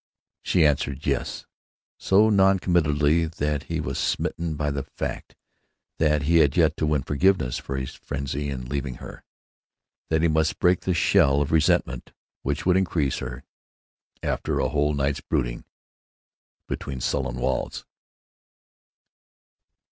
She answered "Yes" so non committally that he was smitten by the fact that he had yet to win forgiveness for his frenzy in leaving her; that he must break the shell of resentment which would incase her after a whole night's brooding between sullen walls.